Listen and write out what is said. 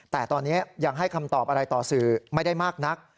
แต่ตอนนี้ยังให้คำตอบอะไรต่อสื่อไม่ได้มากนัก